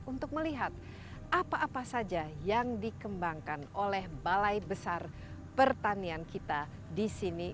untuk melihat apa apa saja yang dikembangkan oleh balai besar pertanian kita di sini